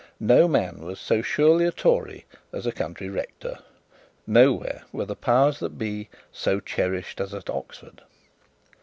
No man was so surely a tory as a country rector nowhere were the powers that be so cherished as at Oxford.